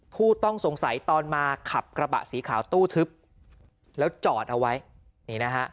ผู้ต้องสงสัยตอนมาขับกระบะสีขาวตู้ทึบแล้วจอดเอาไว้นี่นะฮะ